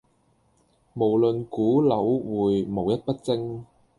無論股樓匯無一不精